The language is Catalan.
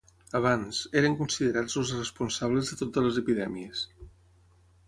Abans, eren considerats els responsables de totes les epidèmies.